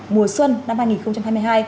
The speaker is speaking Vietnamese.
mùa xuân năm hai nghìn hai mươi hai